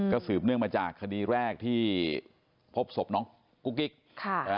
สืบเนื่องมาจากคดีแรกที่พบศพน้องกุ๊กกิ๊กค่ะอ่า